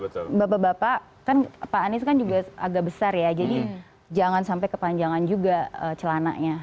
kalau bapak bapak kan pak anies kan juga agak besar ya jadi jangan sampai kepanjangan juga celananya